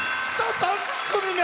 ３組目。